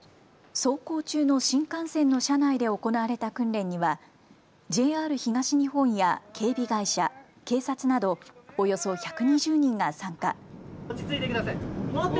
走行中の新幹線の車内で行われた訓練にはＪＲ東日本や警備会社、警察などおよそ１２０人が参加。